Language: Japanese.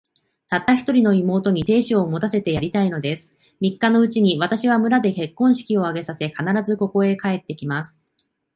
たった一人の妹に、亭主を持たせてやりたいのです。三日のうちに、私は村で結婚式を挙げさせ、必ず、ここへ帰って来ます。